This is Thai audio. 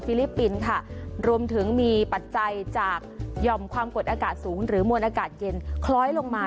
ลิปปินส์ค่ะรวมถึงมีปัจจัยจากหย่อมความกดอากาศสูงหรือมวลอากาศเย็นคล้อยลงมา